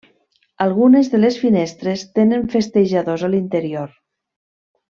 Algunes de les finestres tenen festejadors a l'interior.